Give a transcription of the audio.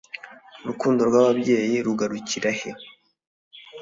Urukundo rwababyeyi rugarukira he